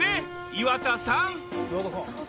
岩田さん！